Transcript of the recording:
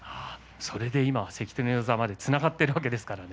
それで今の関取の座までつながっているわけですからね。